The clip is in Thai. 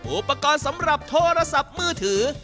อุปกรณ์สำหรับโทรศัพท์มือถือ